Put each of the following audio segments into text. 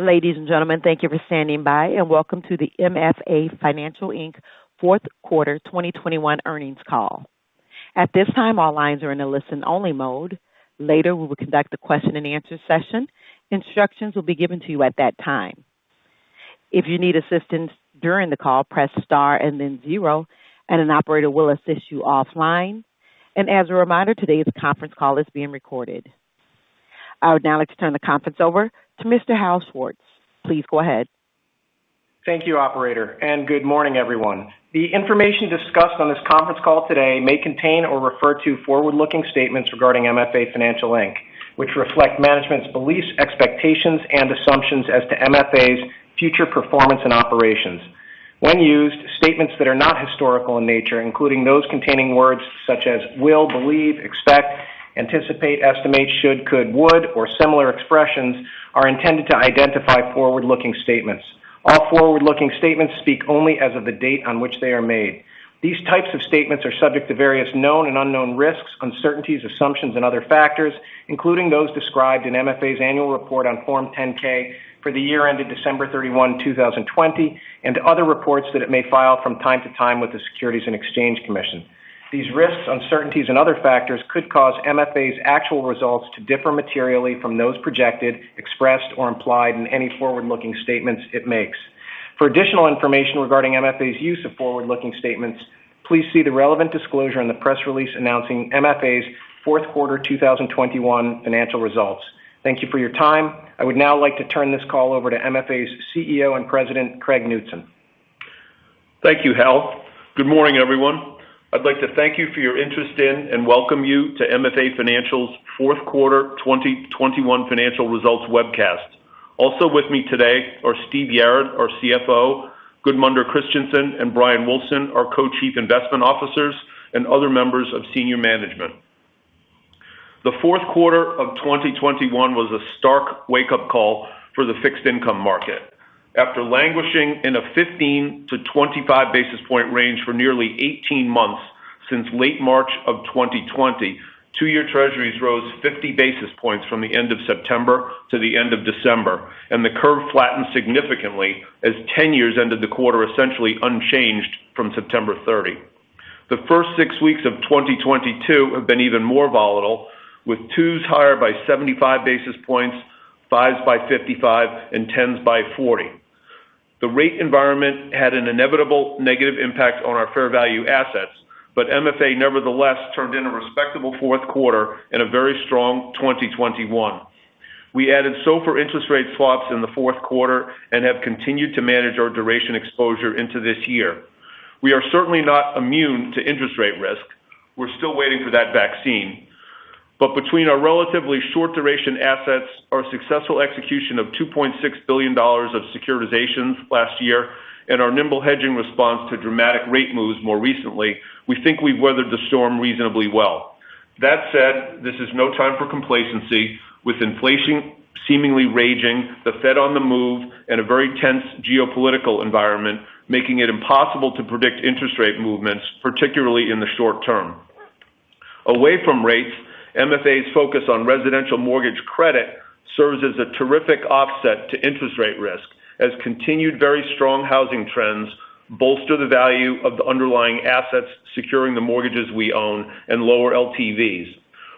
Ladies and gentlemen, thank you for standing by and welcome to the MFA Financial Inc fourth quarter 2021 earnings call. At this time, all lines are in a listen-only mode. Later, we will conduct a question-and-answer session. Instructions will be given to you at that time. If you need assistance during the call, press star and then zero and an operator will assist you offline. As a reminder, today's conference call is being recorded. I would now like to turn the conference over to Mr. Hal Schwartz. Please go ahead. Thank you, operator, and good morning, everyone. The information discussed on this conference call today may contain or refer to forward-looking statements regarding MFA Financial Inc, which reflect management's beliefs, expectations, and assumptions as to MFA's future performance and operations. When used, statements that are not historical in nature, including those containing words such as will, believe, expect, anticipate, estimate, should, could, would, or similar expressions, are intended to identify forward-looking statements. All forward-looking statements speak only as of the date on which they are made. These types of statements are subject to various known and unknown risks, uncertainties, assumptions, and other factors, including those described in MFA's annual report on Form 10-K for the year ended December 31, 2020, and other reports that it may file from time to time with the Securities and Exchange Commission. These risks, uncertainties and other factors could cause MFA's actual results to differ materially from those projected, expressed, or implied in any forward-looking statements it makes. For additional information regarding MFA's use of forward-looking statements, please see the relevant disclosure in the press release announcing MFA's fourth quarter 2021 financial results. Thank you for your time. I would now like to turn this call over to MFA's CEO and President, Craig Knutson. Thank you, Hal. Good morning, everyone. I'd like to thank you for your interest in and welcome you to MFA Financial's Q4 2021 financial results webcast. Also with me today are Steve Yarad, our CFO, Gudmundur Kristjansson and Bryan Wulfsohn, our co-chief investment officers, and other members of senior management. The fourth quarter of 2021 was a stark wake-up call for the fixed income market. After languishing in a 15-25 basis point range for nearly 18 months since late March of 2020, two-year Treasuries rose 50 basis points from the end of September to the end of December, and the curve flattened significantly as 10-year ended the quarter essentially unchanged from September 30. The first six weeks of 2022 have been even more volatile, with twos higher by 75 basis points, fives by 55, and 10s by 40. The rate environment had an inevitable negative impact on our fair value assets, but MFA nevertheless turned in a respectable fourth quarter and a very strong 2021. We added SOFR interest rate swaps in the fourth quarter and have continued to manage our duration exposure into this year. We are certainly not immune to interest rate risk. We're still waiting for that vaccine. Between our relatively short duration assets, our successful execution of $2.6 billion of securitizations last year, and our nimble hedging response to dramatic rate moves more recently, we think we've weathered the storm reasonably well. That said, this is no time for complacency with inflation seemingly raging, the Fed on the move, and a very tense geopolitical environment making it impossible to predict interest rate movements, particularly in the short-term. Away from rates, MFA's focus on residential mortgage credit serves as a terrific offset to interest rate risk, as continued very strong housing trends bolster the value of the underlying assets securing the mortgages we own and lower LTVs.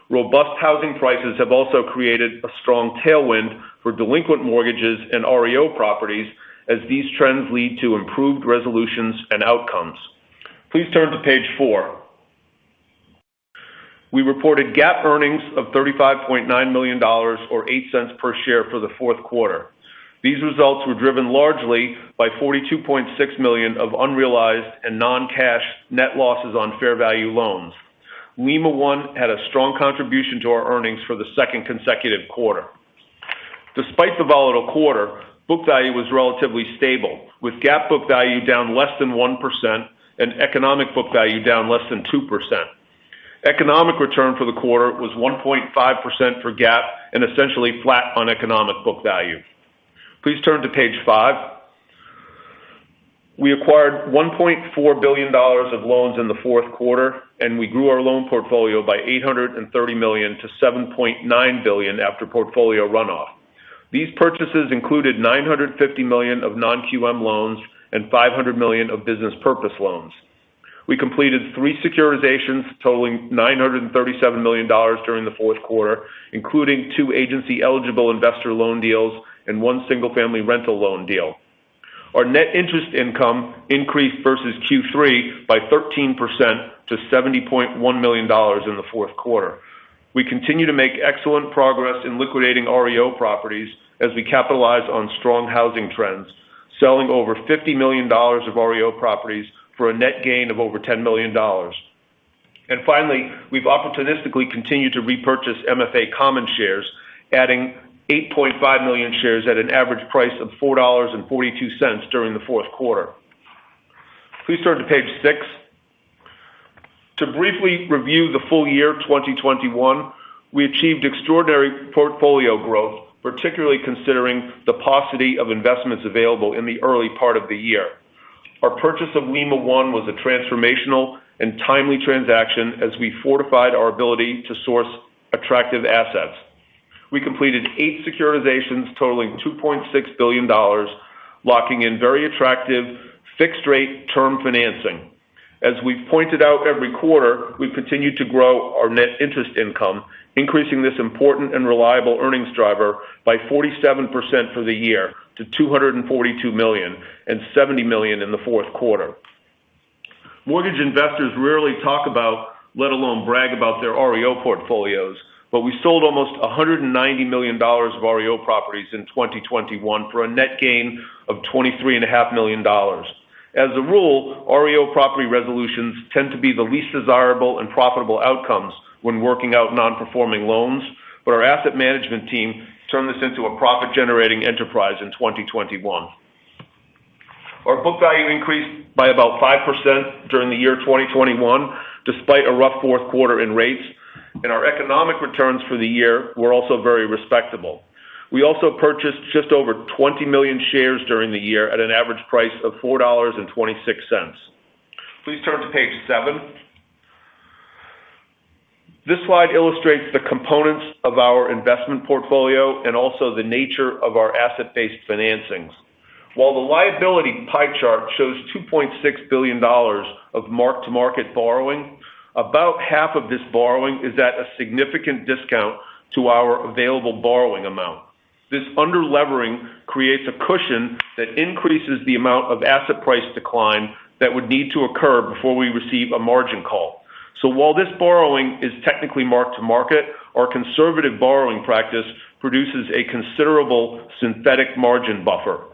Robust housing prices have also created a strong tailwind for delinquent mortgages and REO properties as these trends lead to improved resolutions and outcomes. Please turn to page four. We reported GAAP earnings of $35.9 million or 8 cents per share for the fourth quarter. These results were driven largely by $42.6 million of unrealized and non-cash net losses on fair value loans. Lima One had a strong contribution to our earnings for the second consecutive quarter. Despite the volatile quarter, book value was relatively stable, with GAAP book value down less than 1% and economic book value down less than 2%. Economic return for the quarter was 1.5% for GAAP and essentially flat on economic book value. Please turn to page five. We acquired $1.4 billion of loans in the fourth quarter, and we grew our loan portfolio by $830 million-$7.9 billion after portfolio runoff. These purchases included $950 million of non-QM loans and $500 million of business purpose loans. We completed three securitizations totaling $937 million during the fourth quarter, including two agency-eligible investor loan deals and one single-family rental loan deal. Our net interest income increased versus Q3 by 13% to $70.1 million in the fourth quarter. We continue to make excellent progress in liquidating REO properties as we capitalize on strong housing trends, selling over $50 million of REO properties for a net gain of over $10 million. Finally, we've opportunistically continued to repurchase MFA common shares, adding 8.5 million shares at an average price of $4.42 during the fourth quarter. Please turn to page six. To briefly review the full year 2021, we achieved extraordinary portfolio growth, particularly considering the paucity of investments available in the early part of the year. Our purchase of Lima One was a transformational and timely transaction as we fortified our ability to source attractive assets. We completed eight securitizations totaling $2.6 billion, locking in very attractive fixed rate term financing. As we've pointed out every quarter, we continue to grow our net interest income, increasing this important and reliable earnings driver by 47% for the year to $242 million and $70 million in the fourth quarter. Mortgage investors rarely talk about, let alone brag about their REO portfolios, but we sold almost $190 million of REO properties in 2021 for a net gain of $23.5 million. As a rule, REO property resolutions tend to be the least desirable and least profitable outcomes when working out non-performing loans. Our asset management team turned this into a profit-generating enterprise in 2021. Our book value increased by about 5% during the year 2021, despite a rough fourth quarter in rates, and our economic returns for the year were also very respectable. We also purchased just over 20 million shares during the year at an average price of $4.26. Please turn to page seven. This slide illustrates the components of our investment portfolio and also the nature of our asset-based financings. While the liability pie chart shows $2.6 billion of mark-to-market borrowing, about half of this borrowing is at a significant discount to our available borrowing amount. This underlevering creates a cushion that increases the amount of asset price decline that would need to occur before we receive a margin call. While this borrowing is technically mark-to-market, our conservative borrowing practice produces a considerable synthetic margin buffer.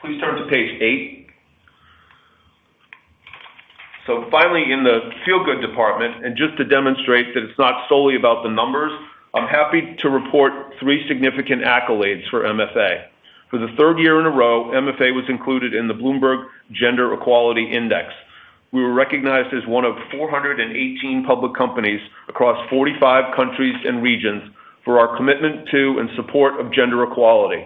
Please turn to page eight. Finally, in the feel-good department, and just to demonstrate that it's not solely about the numbers, I'm happy to report three significant accolades for MFA. For the third year in a row, MFA was included in the Bloomberg Gender-Equality Index. We were recognized as one of 418 public companies across 45 countries and regions for our commitment to and support of gender equality.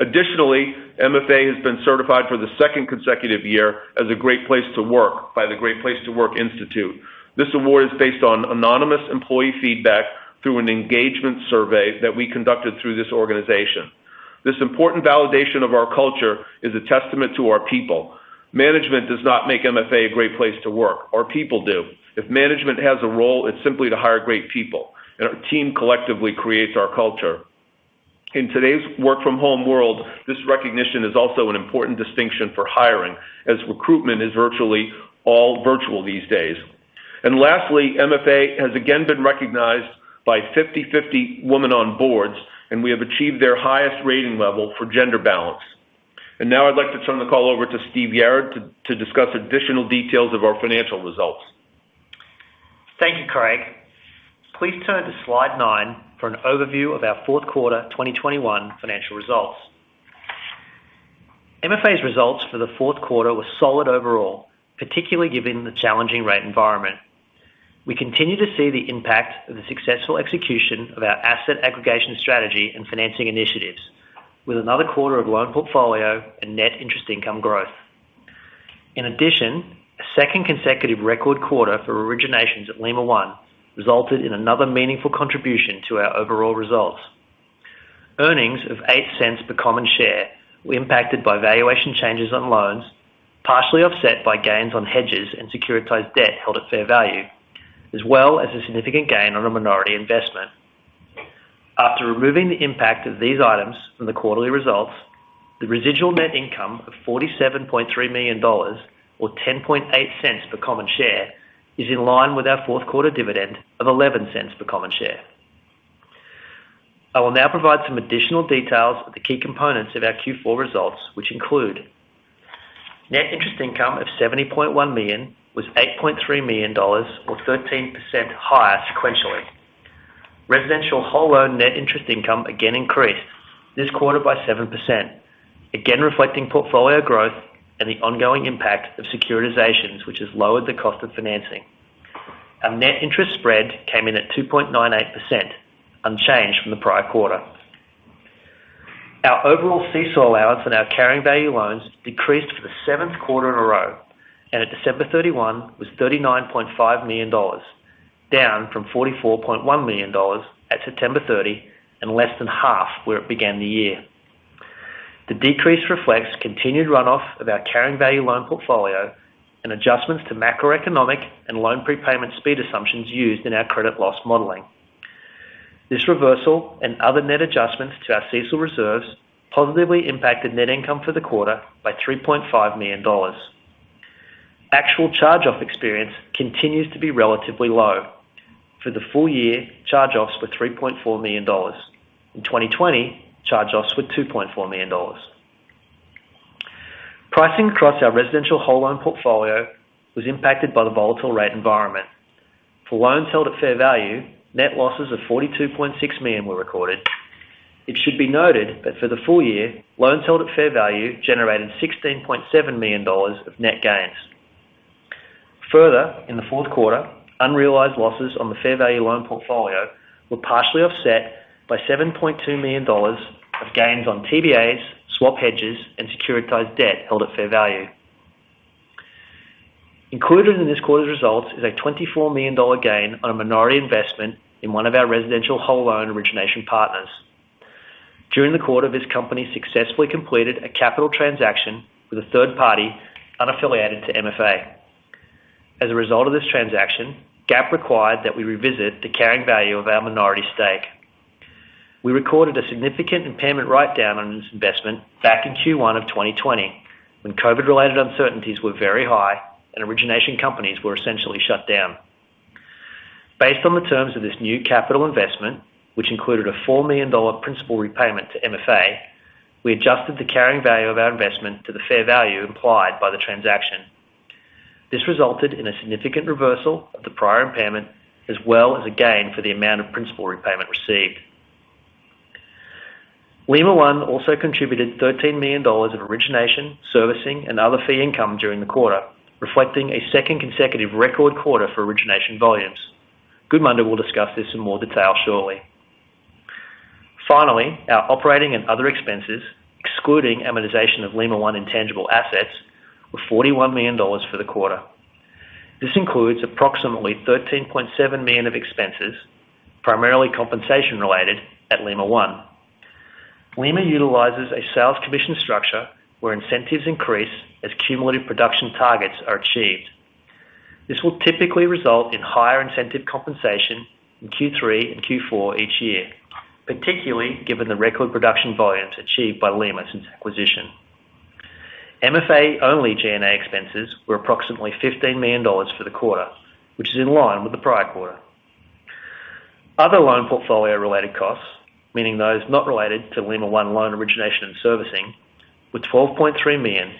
Additionally, MFA has been certified for the second consecutive year as a great place to work by the Great Place to Work Institute. This award is based on anonymous employee feedback through an engagement survey that we conducted through this organization. This important validation of our culture is a testament to our people. Management does not make MFA a great place to work. Our people do. If management has a role, it's simply to hire great people, and our team collectively creates our culture. In today's work from home world, this recognition is also an important distinction for hiring, as recruitment is virtually all virtual these days. Lastly, MFA has again been recognized by 50/50 Women on Boards, and we have achieved their highest rating level for gender balance. Now I'd like to turn the call over to Steve Yarad to discuss additional details of our financial results. Thank you, Craig. Please turn to slide nine for an overview of our fourth quarter 2021 financial results. MFA's results for the fourth quarter were solid overall, particularly given the challenging rate environment. We continue to see the impact of the successful execution of our asset aggregation strategy and financing initiatives, with another quarter of loan portfolio and net interest income growth. In addition, a second consecutive record quarter for originations at Lima One resulted in another meaningful contribution to our overall results. Earnings of $0.08 per common share were impacted by valuation changes on loans, partially offset by gains on hedges and securitized debt held at fair value, as well as a significant gain on a minority investment. After removing the impact of these items from the quarterly results, the residual net income of $47.3 million, or $0.108 per common share, is in line with our fourth quarter dividend of $0.11 per common share. I will now provide some additional details of the key components of our Q4 results, which include. Net interest income of $70.1 million was $8.3 million or 13% higher sequentially. Residential whole loan net interest income again increased this quarter by 7%, again reflecting portfolio growth and the ongoing impact of securitizations, which has lowered the cost of financing. Our net interest spread came in at 2.98%, unchanged from the prior quarter. Our overall CECL allowance on our carrying value loans decreased for the seventh quarter in a row, and at December 31 was $39.5 million, down from $44.1 million at September 30, and less than half where it began the year. The decrease reflects continued runoff of our carrying value loan portfolio and adjustments to macroeconomic and loan prepayment speed assumptions used in our credit loss modeling. This reversal and other net adjustments to our CECL reserves positively impacted net income for the quarter by $3.5 million. Actual charge-off experience continues to be relatively low. For the full year, charge-offs were $3.4 million. In 2020, charge-offs were $2.4 million. Pricing across our residential whole loan portfolio was impacted by the volatile rate environment. For loans held at fair value, net losses of $42.6 million were recorded. It should be noted that for the full year, loans held at fair value generated $16.7 million of net gains. Further, in the fourth quarter, unrealized losses on the fair value loan portfolio were partially offset by $7.2 million of gains on TBAs, swap hedges, and securitized debt held at fair value. Included in this quarter's results is a $24 million gain on a minority investment in one of our residential whole loan origination partners. During the quarter, this company successfully completed a capital transaction with a third party unaffiliated to MFA. As a result of this transaction, GAAP required that we revisit the carrying value of our minority stake. We recorded a significant impairment write-down on this investment back in Q1 of 2020, when COVID-related uncertainties were very high and origination companies were essentially shut down. Based on the terms of this new capital investment, which included a $4 million principal repayment to MFA, we adjusted the carrying value of our investment to the fair value implied by the transaction. This resulted in a significant reversal of the prior impairment, as well as a gain for the amount of principal repayment received. Lima One also contributed $13 million of origination, servicing, and other fee income during the quarter, reflecting a second consecutive record quarter for origination volumes. Gudmundur will discuss this in more detail shortly. Finally, our operating and other expenses, excluding amortization of Lima One intangible assets, were $41 million for the quarter. This includes approximately $13.7 million of expenses, primarily compensation related at Lima One. Lima utilizes a sales commission structure where incentives increase as cumulative production targets are achieved. This will typically result in higher incentive compensation in Q3 and Q4 each year, particularly given the record production volumes achieved by Lima since acquisition. MFA only G&A expenses were approximately $15 million for the quarter, which is in line with the prior quarter. Other loan portfolio related costs, meaning those not related to Lima One loan origination and servicing, were $12.3 million,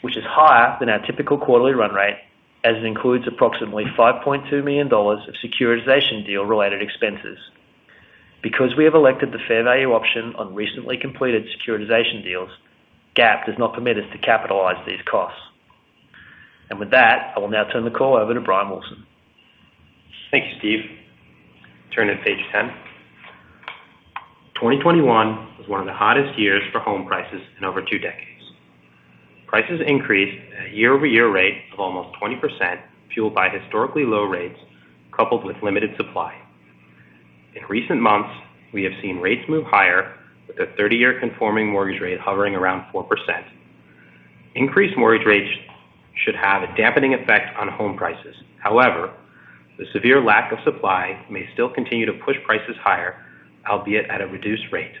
which is higher than our typical quarterly run rate, as it includes approximately $5.2 million of securitization deal related expenses. Because we have elected the fair value option on recently completed securitization deals, GAAP does not permit us to capitalize these costs. With that, I will now turn the call over to Bryan Wulfsohn. Thank you, Steve. Turning to page 10. 2021 was one of the hottest years for home prices in over two decades. Prices increased at a year-over-year rate of almost 20%, fueled by historically low rates coupled with limited supply. In recent months, we have seen rates move higher with the 30-year conforming mortgage rate hovering around 4%. Increased mortgage rates should have a dampening effect on home prices. However, the severe lack of supply may still continue to push prices higher, albeit at a reduced rate.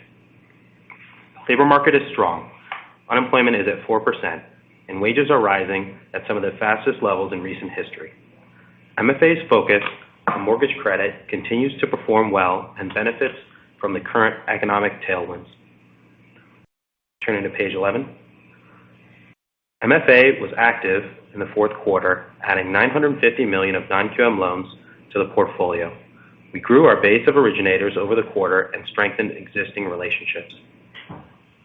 The labor market is strong. Unemployment is at 4% and wages are rising at some of the fastest levels in recent history. MFA's focus on mortgage credit continues to perform well and benefits from the current economic tailwinds. Turning to page 11. MFA was active in the fourth quarter, adding $950 million of non-QM loans to the portfolio. We grew our base of originators over the quarter and strengthened existing relationships.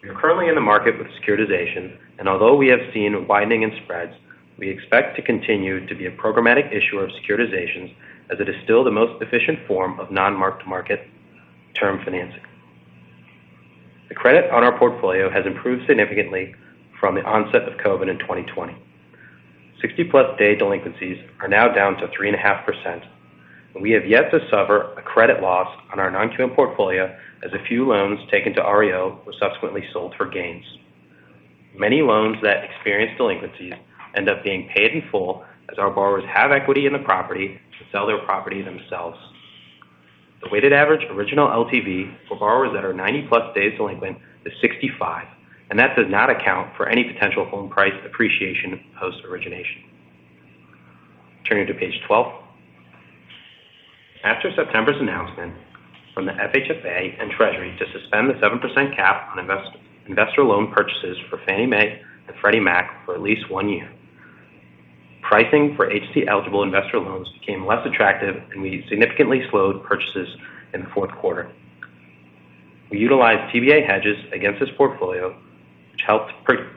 We are currently in the market with securitization, and although we have seen widening in spreads, we expect to continue to be a programmatic issuer of securitizations as it is still the most efficient form of non-marked-to-market term financing. The credit on our portfolio has improved significantly from the onset of COVID in 2020. 60+ day delinquencies are now down to 3.5%, and we have yet to suffer a credit loss on our non-QM portfolio as a few loans taken to REO were subsequently sold for gains. Many loans that experience delinquencies end up being paid in full as our borrowers have equity in the property to sell their property themselves. The weighted average original LTV for borrowers that are 90+ days delinquent is 65, and that does not account for any potential home price appreciation post-origination. Turning to page 12. After September's announcement from the FHFA and Treasury to suspend the 7% cap on investor loan purchases for Fannie Mae and Freddie Mac for at least one year, pricing for agency-eligible investor loans became less attractive, and we significantly slowed purchases in the fourth quarter. We utilized TBA hedges against this portfolio, which helped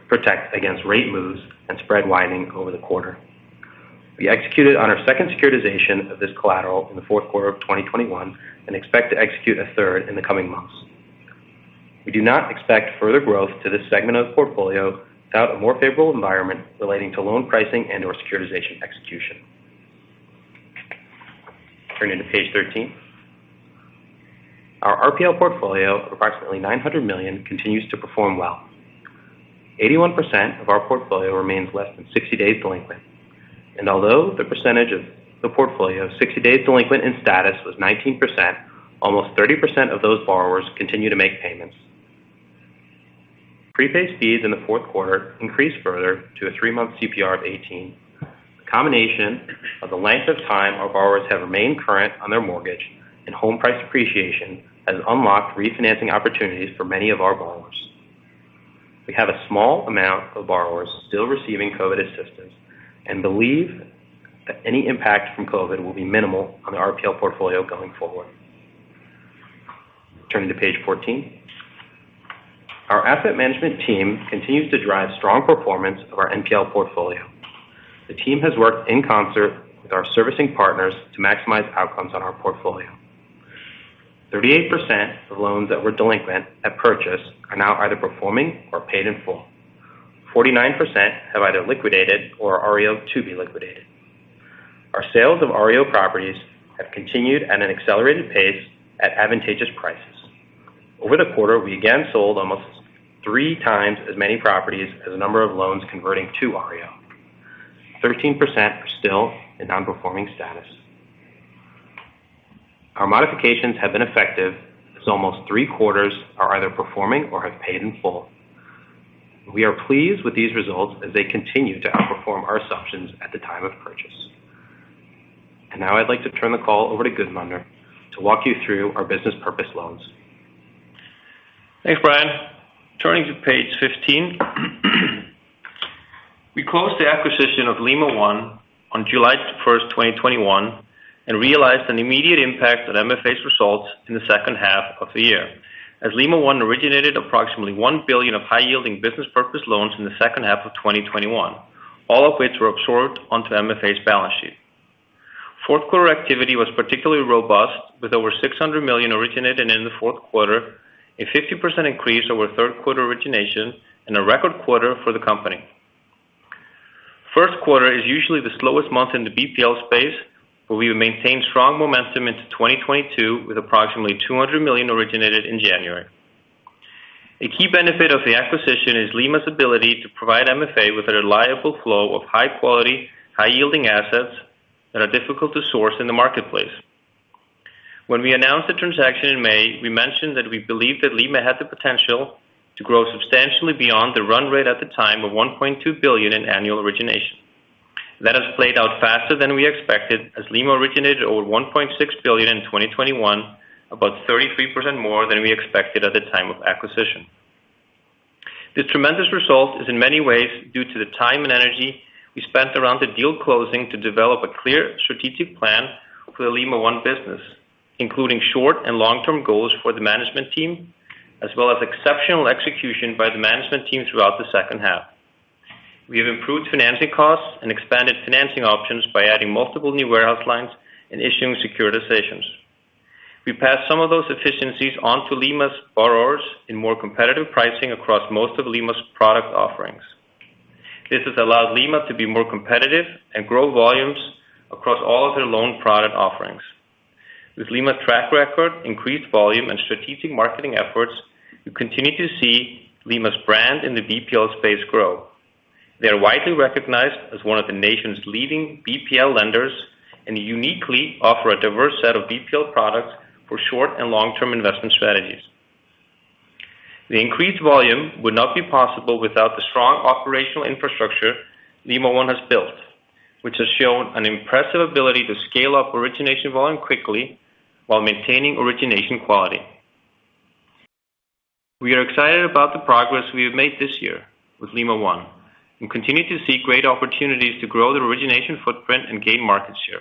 protect against rate moves and spread widening over the quarter. We executed on our second securitization of this collateral in the fourth quarter of 2021 and expect to execute a third in the coming months. We do not expect further growth to this segment of the portfolio without a more favorable environment relating to loan pricing and/or securitization execution. Turning to page 13. Our RPL portfolio of approximately $900 million continues to perform well. 81% of our portfolio remains less than 60 days delinquent. Although the percentage of the portfolio 60 days delinquent in status was 19%, almost 30% of those borrowers continue to make payments. Prepay speeds in the fourth quarter increased further to a three-month CPR of 18. The combination of the length of time our borrowers have remained current on their mortgage and home price appreciation has unlocked refinancing opportunities for many of our borrowers. We have a small amount of borrowers still receiving COVID assistance and believe that any impact from COVID will be minimal on the RPL portfolio going forward. Turning to page 14. Our asset management team continues to drive strong performance of our NPL portfolio. The team has worked in concert with our servicing partners to maximize outcomes on our portfolio. 38% of loans that were delinquent at purchase are now either performing or paid in full. 49% have either liquidated or are REO to be liquidated. Our sales of REO properties have continued at an accelerated pace at advantageous prices. Over the quarter, we again sold almost 3x as many properties as the number of loans converting to REO. 13% are still in non-performing status. Our modifications have been effective as almost three-quarters are either performing or have paid in full. We are pleased with these results as they continue to outperform our assumptions at the time of purchase. Now I'd like to turn the call over to Gudmundur to walk you through our business purpose loans. Thanks, Bryan. Turning to page 15. We closed the acquisition of Lima One on July 1, 2021, and realized an immediate impact on MFA's results in the second half of the year, as Lima One originated approximately $1 billion of high-yielding business purpose loans in the second half of 2021. All of which were absorbed onto MFA's balance sheet. Fourth quarter activity was particularly robust, with over $600 million originated in the fourth quarter, a 50% increase over third quarter origination, and a record quarter for the company. First quarter is usually the slowest month in the BPL space, but we have maintained strong momentum into 2022 with approximately $200 million originated in January. A key benefit of the acquisition is Lima's ability to provide MFA with a reliable flow of high quality, high-yielding assets that are difficult to source in the marketplace. When we announced the transaction in May, we mentioned that we believed that Lima had the potential to grow substantially beyond the run rate at the time of $1.2 billion in annual origination. That has played out faster than we expected, as Lima originated over $1.6 billion in 2021, about 33% more than we expected at the time of acquisition. This tremendous result is in many ways due to the time and energy we spent around the deal closing to develop a clear strategic plan for the Lima One business, including short and long-term goals for the management team, as well as exceptional execution by the management team throughout the second half. We have improved financing costs and expanded financing options by adding multiple new warehouse lines and issuing securitizations. We passed some of those efficiencies on to Lima One's borrowers in more competitive pricing across most of Lima One's product offerings. This has allowed Lima One to be more competitive and grow volumes across all of their loan product offerings. With Lima One track record, increased volume, and strategic marketing efforts, we continue to see Lima One's brand in the BPL space grow. They are widely recognized as one of the nation's leading BPL lenders, and uniquely offer a diverse set of BPL products for short and long-term investment strategies. The increased volume would not be possible without the strong operational infrastructure Lima One has built, which has shown an impressive ability to scale up origination volume quickly while maintaining origination quality. We are excited about the progress we have made this year with Lima One and continue to see great opportunities to grow their origination footprint and gain market share.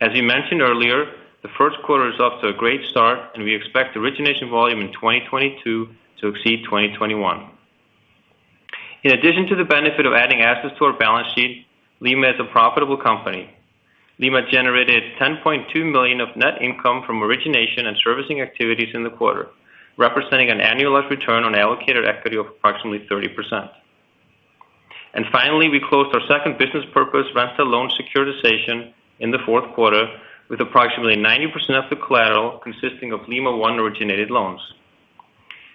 As we mentioned earlier, the first quarter is off to a great start, and we expect origination volume in 2022 to exceed 2021. In addition to the benefit of adding assets to our balance sheet, Lima is a profitable company. Lima generated $10.2 million of net income from origination and servicing activities in the quarter, representing an annualized return on allocated equity of approximately 30%. Finally, we closed our second business purpose rental loan securitization in the fourth quarter, with approximately 90% of the collateral consisting of Lima One originated loans.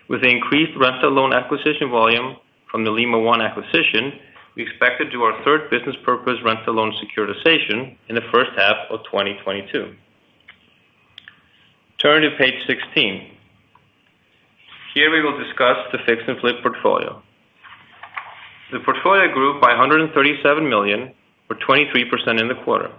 With the increased rental loan acquisition volume from the Lima One acquisition, we expect to do our third business purpose rental loan securitization in the first half of 2022. Turn to page 16. Here we will discuss the fix and flip portfolio. The portfolio grew by $137 million, or 23% in the quarter.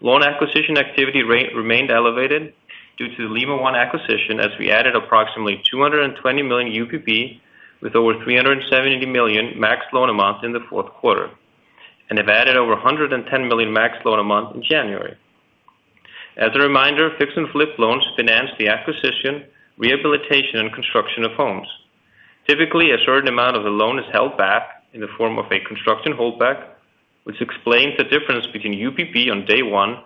Loan acquisition activity remained elevated due to the Lima One acquisition, as we added approximately $220 million UPB, with over $370 million max loan amounts in the fourth quarter, and have added over $110 million max loan amount in January. As a reminder, fix and flip loans finance the acquisition, rehabilitation and construction of homes. Typically, a certain amount of the loan is held back in the form of a construction holdback, which explains the difference between UPB on day one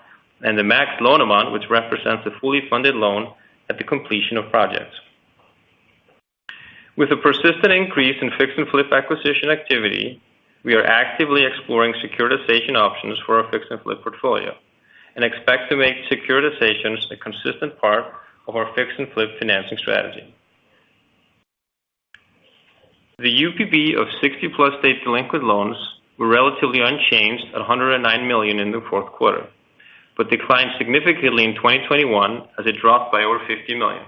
and the max loan amount, which represents the fully funded loan at the completion of projects. With a persistent increase in fix and flip acquisition activity, we are actively exploring securitization options for our fix and flip portfolio and expect to make securitizations a consistent part of our fix and flip financing strategy. The UPB of 60+ day delinquent loans were relatively unchanged at $109 million in the fourth quarter, but declined significantly in 2021 as it dropped by over $50 million.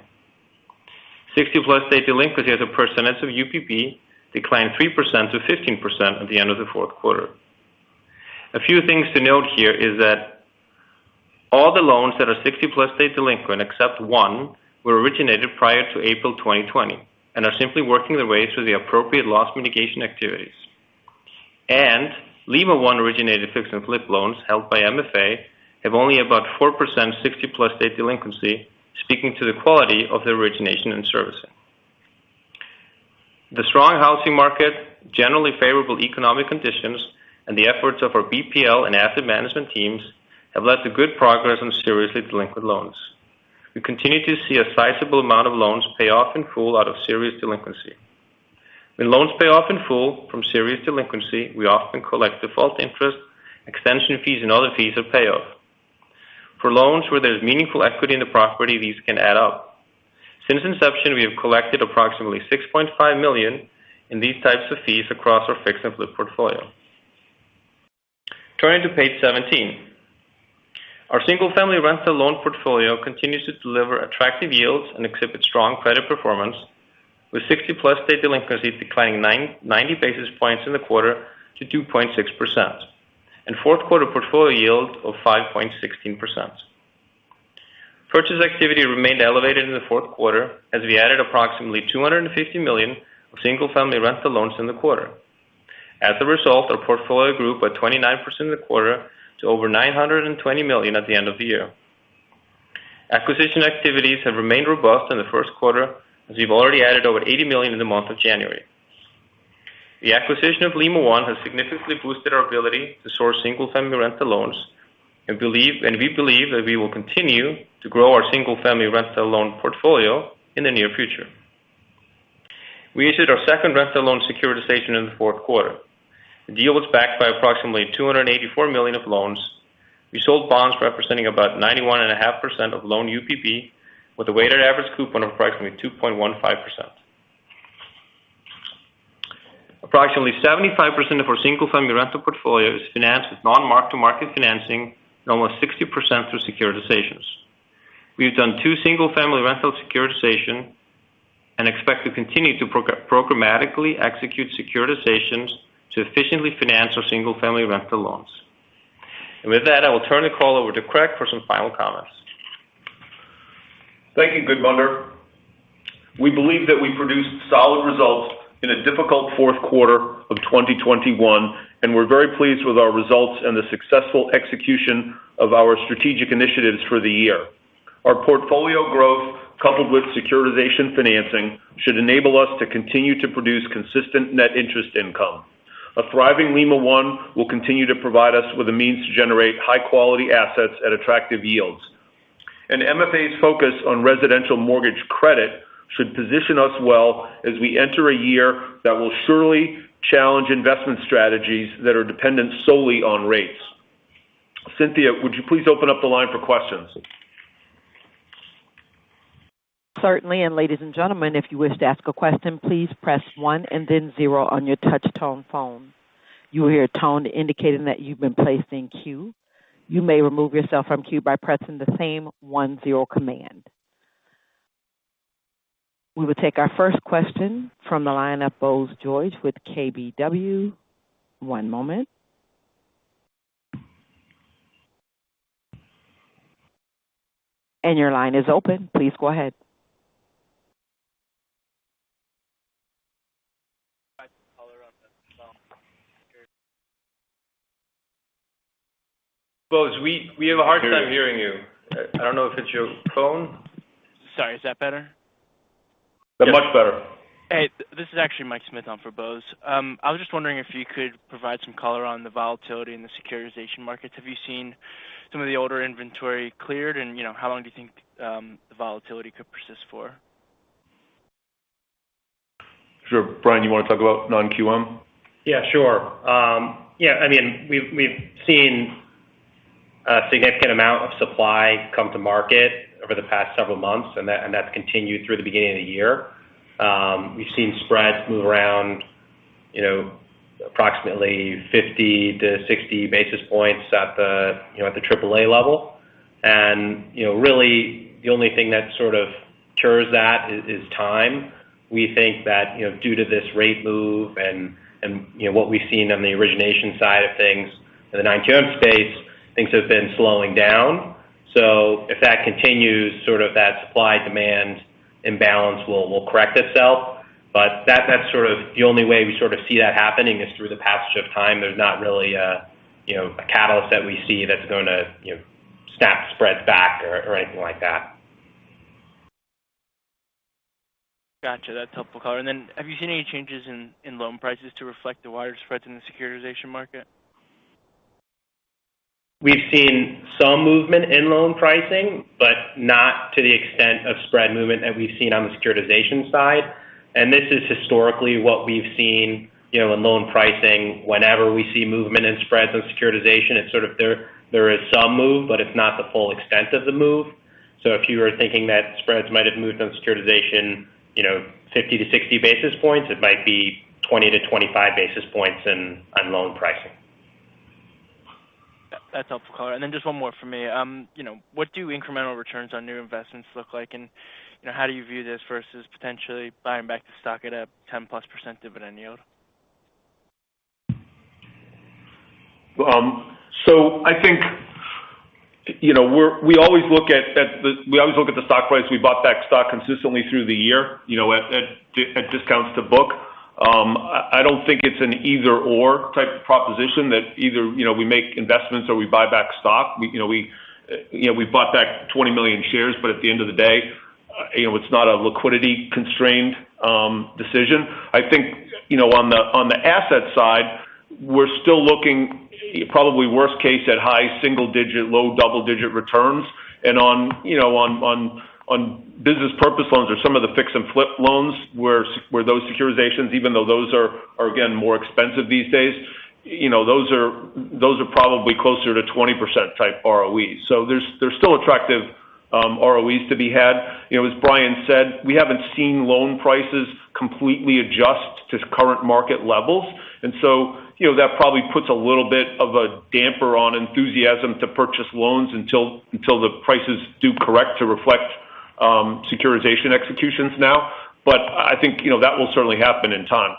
60+ day delinquencies as a percentage of UPB declined 3%-15% at the end of the fourth quarter. A few things to note here is that all the loans that are 60+ day delinquent, except one, were originated prior to April 2020 and are simply working their way through the appropriate loss mitigation activities. Lima One originated fix and flip loans held by MFA have only about 4% 60+ day delinquency, speaking to the quality of the origination and servicing. The strong housing market, generally favorable economic conditions, and the efforts of our BPL and asset management teams have led to good progress on seriously delinquent loans. We continue to see a sizable amount of loans pay off in full out of serious delinquency. When loans pay off in full from serious delinquency, we often collect default interest, extension fees, and other fees at payoff. For loans where there's meaningful equity in the property, these can add up. Since inception, we have collected approximately $6.5 million in these types of fees across our fix and flip portfolio. Turning to page 17. Our single-family rental loan portfolio continues to deliver attractive yields and exhibit strong credit performance, with 60+ day delinquencies declining 990 basis points in the quarter to 2.6% and fourth quarter portfolio yield of 5.16%. Purchase activity remained elevated in the fourth quarter as we added approximately $250 million of single-family rental loans in the quarter. As a result, our portfolio grew by 29% in the quarter to over $920 million at the end of the year. Acquisition activities have remained robust in the first quarter, as we've already added over $80 million in the month of January. The acquisition of Lima One has significantly boosted our ability to source single-family rental loans and we believe that we will continue to grow our single-family rental loan portfolio in the near future. We issued our second rental loan securitization in the fourth quarter. The deal was backed by approximately $284 million of loans. We sold bonds representing about 91.5% of loan UPB with a weighted average coupon of approximately 2.15%. Approximately 75% of our single-family rental portfolio is financed with non-mark-to-market financing and almost 60% through securitizations. We've done two single-family rental securitization and expect to continue to programmatically execute securitizations to efficiently finance our single-family rental loans. With that, I will turn the call over to Craig for some final comments. Thank you, Gudmundur. We believe that we produced solid results in a difficult fourth quarter of 2021, and we're very pleased with our results and the successful execution of our strategic initiatives for the year. Our portfolio growth, coupled with securitization financing, should enable us to continue to produce consistent net interest income. A thriving Lima One will continue to provide us with a means to generate high-quality assets at attractive yields. MFA's focus on residential mortgage credit should position us well as we enter a year that will surely challenge investment strategies that are dependent solely on rates. Cynthia, would you please open up the line for questions? Certainly. Ladies and gentlemen, if you wish to ask a question, please press one and then zero on your touch-tone phone. You will hear a tone indicating that you've been placed in queue. You may remove yourself from queue by pressing the same one-zero command. We will take our first question from the line of Bose George with KBW. One moment. Your line is open. Please go ahead. Try to call around the phone. Bose, we have a hard time hearing you. I don't know if it's your phone. Sorry, is that better? Much better. Hey, this is actually Mike Smyth on for Bose. I was just wondering if you could provide some color on the volatility in the securitization markets. Have you seen some of the older inventory cleared? You know, how long do you think the volatility could persist for? Sure. Brian, do you wanna talk about non-QM? Yeah, sure. I mean, we've seen a significant amount of supply come to market over the past several months, and that's continued through the beginning of the year. We've seen spreads move around, you know, approximately 50-60 basis points at the, you know, at the triple A level. Really the only thing that sort of cures that is time. We think that, you know, due to this rate move and, you know, what we've seen on the origination side of things in the non-QM space, things have been slowing down. If that continues, sort of that supply-demand imbalance will correct itself. That's sort of the only way we sort of see that happening is through the passage of time. There's not really a, you know, a catalyst that we see that's gonna, you know, snap spreads back or anything like that. Gotcha. That's helpful color. Have you seen any changes in loan prices to reflect the wider spreads in the securitization market? We've seen some movement in loan pricing, but not to the extent of spread movement that we've seen on the securitization side. This is historically what we've seen, you know, in loan pricing. Whenever we see movement in spreads on securitization, it's sort of there is some move, but it's not the full extent of the move. If you were thinking that spreads might have moved on securitization, you know, 50-60 basis points, it might be 20-25 basis points in, on loan pricing. That's helpful color. Just one more for me. You know, what do incremental returns on new investments look like? You know, how do you view this versus potentially buying back the stock at a 10+% dividend yield? I think we always look at the stock price. We bought back stock consistently through the year, you know, at discounts to book. I don't think it's an either/or type of proposition that either, you know, we make investments or we buy back stock. We've bought back 20 million shares, but at the end of the day, you know, it's not a liquidity constrained decision. I think, you know, on the asset side, we're still looking probably worst case at high single digit, low double digit returns. On business purpose loans or some of the fix and flip loans where those securitizations, even though those are again more expensive these days, you know, those are probably closer to 20% type ROE. There's still attractive ROEs to be had. As Bryan said, we haven't seen loan prices completely adjust to current market levels. You know, that probably puts a little bit of a damper on enthusiasm to purchase loans until the prices do correct to reflect securitization executions now. I think, you know, that will certainly happen in time.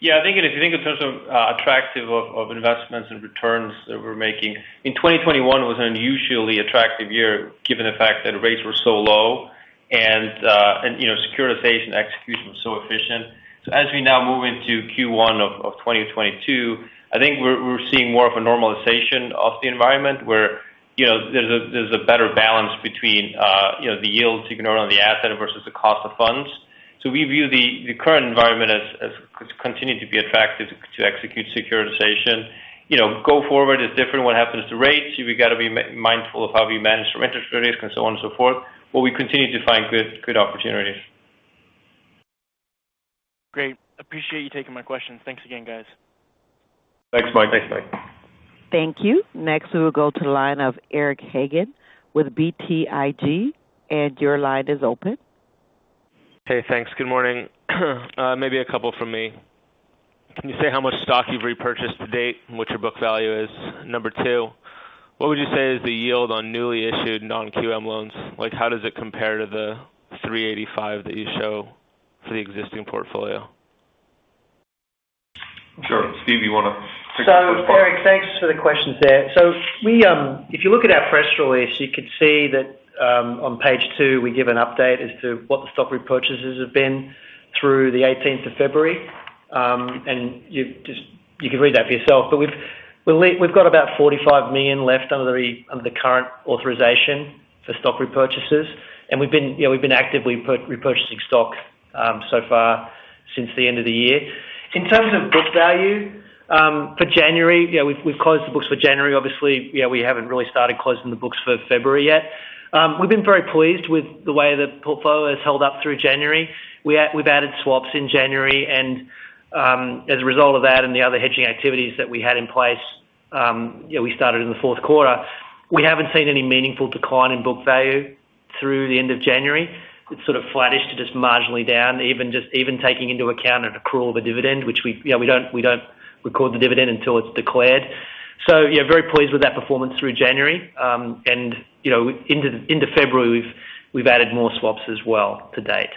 Yeah, I think if you think in terms of attractiveness of investments and returns that we're making, in 2021 was an unusually attractive year given the fact that rates were so low and you know securitization execution was so efficient. As we now move into Q1 of 2022, I think we're seeing more of a normalization of the environment where you know there's a better balance between you know the yields you can earn on the asset versus the cost of funds. We view the current environment as continued to be attractive to execute securitization. You know going forward is different what happens to rates. We gotta be mindful of how we manage our interest rates and so on and so forth, but we continue to find good opportunities. Great. I appreciate you taking my questions. Thanks again, guys. Thanks, Mike. Thanks, Mike. Thank you. Next, we will go to the line of Eric Hagen with BTIG. Your line is open. Hey, thanks. Good morning. Maybe a couple from me. Can you say how much stock you've repurchased to date and what your book value is? Number two, what would you say is the yield on newly issued non-QM loans? Like, how does it compare to the 3.85 that you show for the existing portfolio? Sure. Steve, you wanna take the first part? Eric, thanks for the questions there. We if you look at our press release, you could see that, on page two we give an update as to what the stock repurchases have been through the 18th of February. You can read that for yourself. We've got about $45 million left under the current authorization for stock repurchases. You know, we've been actively repurchasing stock so far since the end of the year. In terms of book value, for January, you know, we've closed the books for January. Obviously, you know, we haven't really started closing the books for February yet. We've been very pleased with the way the portfolio has held up through January. We've added swaps in January, and as a result of that and the other hedging activities that we had in place, you know, we started in the fourth quarter. We haven't seen any meaningful decline in book value through the end of January. It's sort of flattish to just marginally down, even taking into account an accrual of a dividend, which we, you know, we don't record the dividend until it's declared. Yeah, very pleased with that performance through January. And, you know, into February, we've added more swaps as well to date.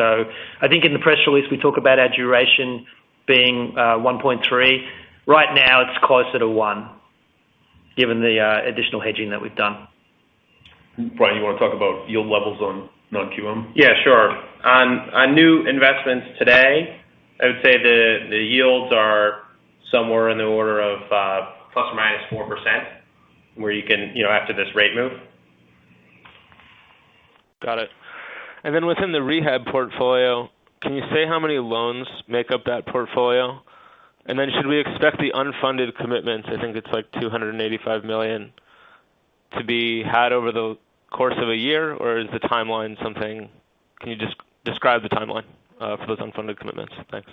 I think in the press release, we talk about our duration being 1.3. Right now it's closer to one given the additional hedging that we've done. Bryan, you wanna talk about yield levels on non-QM? Yeah, sure. On new investments today, I would say the yields are somewhere in the order of ±4% where you can, you know, after this rate move. Got it. Within the rehab portfolio, can you say how many loans make up that portfolio? Should we expect the unfunded commitments, I think it's like $285 million, to be had over the course of a year, or is the timeline something, can you describe the timeline for those unfunded commitments? Thanks.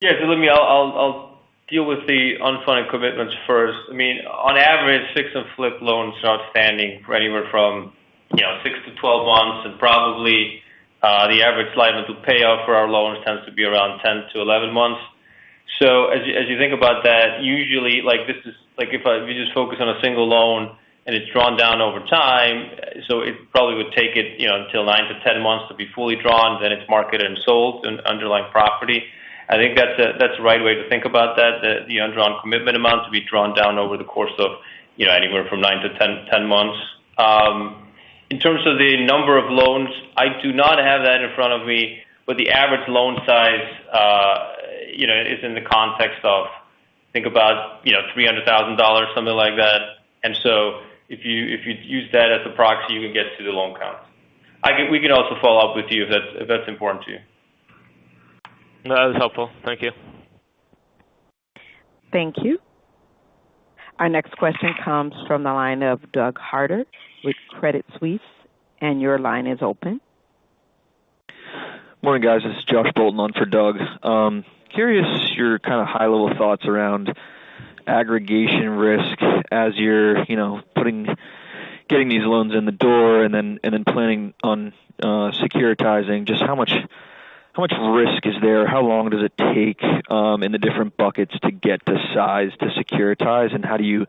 Yeah. I'll deal with the unfunded commitments first. I mean, on average, fix and flip loans are outstanding for anywhere from, you know, six-12 months, and probably the average life to pay off for our loans tends to be around 10-11 months. As you think about that, usually, like, if you just focus on a single loan and it's drawn down over time, it probably would take it, you know, until nine-10 months to be fully drawn, then it's marketed and sold to an underlying property. I think that's the right way to think about that, the undrawn commitment amount to be drawn down over the course of, you know, anywhere from nine-10 months. In terms of the number of loans, I do not have that in front of me, but the average loan size, you know, is in the context of, think about, you know, $300,000, something like that. If you use that as a proxy, you can get to the loan count. We can also follow up with you if that's important to you. No, that was helpful. Thank you. Thank you. Our next question comes from the line of Douglas Harter with Credit Suisse. Your line is open. Morning, guys. This is Josh Bolton on for Doug. Curious about your kind of high-level thoughts around aggregation risk as you're getting these loans in the door and then planning on securitizing. Just how much risk is there? How long does it take in the different buckets to get to size to securitize, and how do you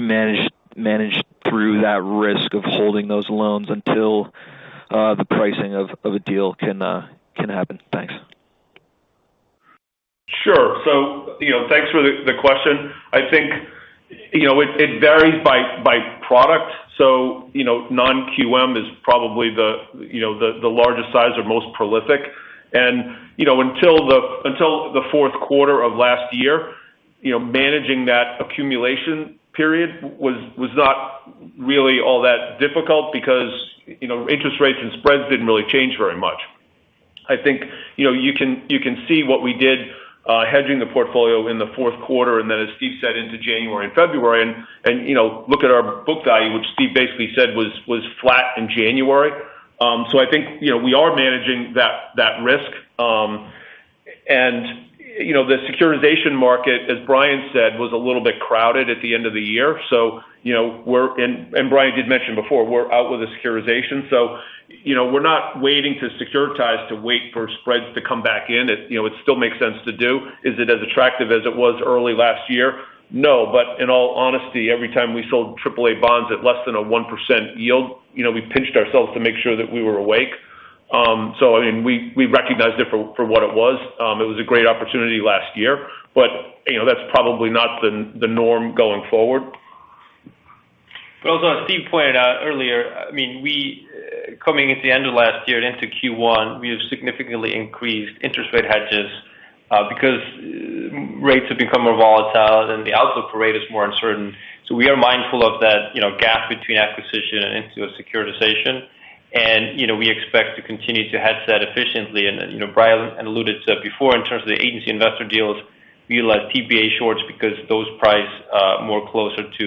manage through that risk of holding those loans until The pricing of a deal can happen. Thanks. Sure. You know, thanks for the question. I think, you know, it varies by product. You know, non-QM is probably the largest size or most prolific. You know, until the fourth quarter of last year, you know, managing that accumulation period was not really all that difficult because, you know, interest rates and spreads didn't really change very much. I think, you know, you can see what we did, hedging the portfolio in the fourth quarter, and then as Steve said into January and February and you know, look at our book value which Steve basically said was flat in January. I think, you know, we are managing that risk. You know, the securitization market as Bryan said was a little bit crowded at the end of the year. You know, and Bryan did mention before we're out with a securitization, so you know, we're not waiting to securitize to wait for spreads to come back in. It, you know, still makes sense to do. Is it as attractive as it was early last year? No. In all honesty, every time we sold triple A bonds at less than a 1% yield, you know, we pinched ourselves to make sure that we were awake. I mean we recognized it for what it was. It was a great opportunity last year, but that's probably not the norm going forward. Also as Steve pointed out earlier, I mean we coming into the end of last year and into Q1, we have significantly increased interest rate hedges because rates have become more volatile and the outlook for rate is more uncertain. We are mindful of that, you know, gap between acquisition and into a securitization. We expect to continue to hedge that efficiently. You know, Bryan alluded to it before in terms of the agency investor deals, we like TBA shorts because those price more closer to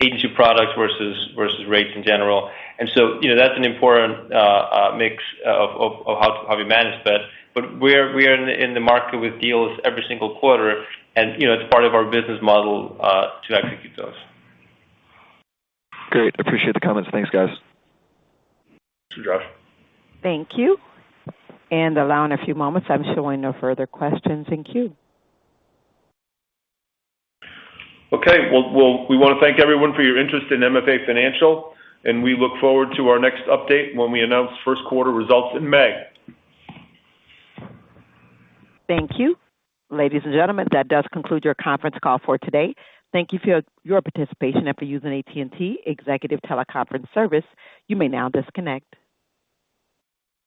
agency products versus rates in general. That's an important mix of how we manage that. We are in the market with deals every single quarter and, you know, it's part of our business model to execute those. Great. Appreciate the comments. Thanks guys. Thanks, Josh. Thank you. Allowing a few moments, I'm showing no further questions in queue. Well, we wanna thank everyone for your interest in MFA Financial, and we look forward to our next update when we announce first quarter results in May. Thank you. Ladies and gentlemen, that does conclude your conference call for today. Thank you for your participation and for using AT&T Executive Teleconference Service. You may now disconnect.